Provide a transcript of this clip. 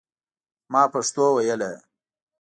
ما پښتو ویله.